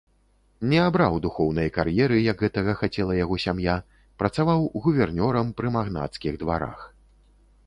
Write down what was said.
Не абраў духоўнай кар'еры, як гэтага хацела яго сям'я, працаваў гувернёрам пры магнацкіх дварах.